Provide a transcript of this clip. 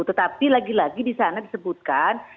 tetapi lagi lagi di sana disebutkan